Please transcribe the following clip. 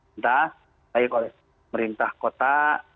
entah baik oleh pemerintah kota